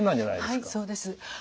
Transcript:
はいそうです。